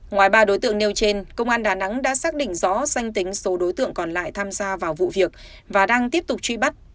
ngoài ba đối tượng nêu trên công an đà nẵng đã xác định rõ danh tính số đối tượng còn lại tham gia vào vụ việc và đang tiếp tục truy bắt